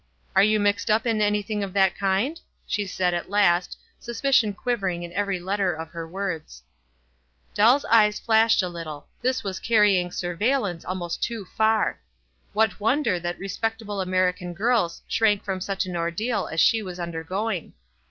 "Are you mixed up in anything of that kind ?" she said, at last, suspicion quivering in every letter of her words. Dell's eyes flashed a little ; this was carrying surveiU 3 f*v& t too far. What wonder that respectable American girls shrank from such an ordeal as she was undergoing.